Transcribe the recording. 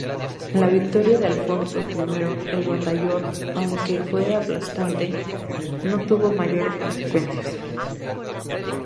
La victoria de Alfonso I el Batallador, aunque fue aplastante, no tuvo mayores consecuencias.